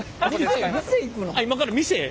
今から店へ？